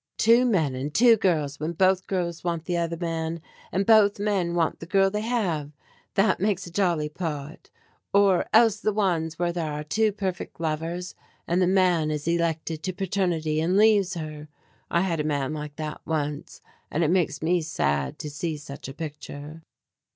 "Two men and two girls when both girls want the other man, and both men want the girl they have. That makes a jolly plot. Or else the ones where there are two perfect lovers and the man is elected to paternity and leaves her. I had a man like that once and it makes me sad to see such a picture."